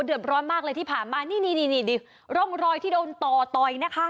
เดือดร้อนมากเลยที่ผ่านมานี่นี่ร่องรอยที่โดนต่อต่อยนะคะ